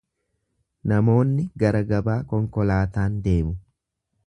Namoonni gara gabaa konkolaataan deemu.